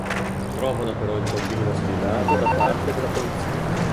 Trovano però il tombino sigillato da parte della polizia.